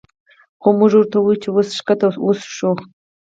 خو مونږ ورته ووې چې وس ښکته وڅښو